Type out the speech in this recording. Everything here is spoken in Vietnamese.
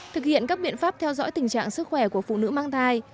thực hiện các biện pháp theo dõi tình trạng sức khỏe của phụ nữ mang thai